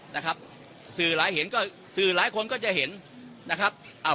นะครับสื่อหลายเห็นก็สื่อหลายคนก็จะเห็นนะครับอ่า